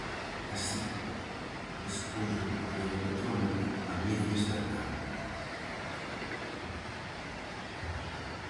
Así, despois do correo electrónico a media estatal.